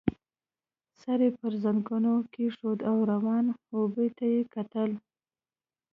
سر يې پر زنګنو کېښود او روانو اوبو ته يې کتل.